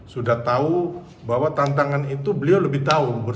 sudah tahu bahwa tantangan itu beliau lebih tahu